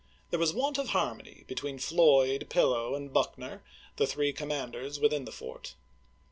There was want of harmony between Floyd, Pniow, and Buckner, the three commanders within the fort.